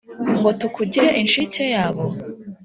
ngo tukugire inshike yabo?